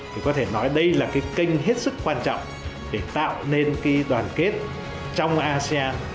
thì có thể nói đây là cái kênh hết sức quan trọng để tạo nên cái đoàn kết trong asean